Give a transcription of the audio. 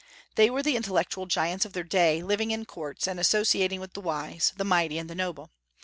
They were the intellectual giants of their day, living in courts, and associating with the wise, the mighty, and the noble.